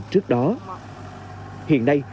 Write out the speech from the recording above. trước đó hiện nay